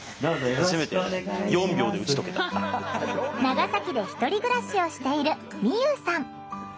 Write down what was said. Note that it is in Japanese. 長崎で１人暮らしをしているみゆうさん。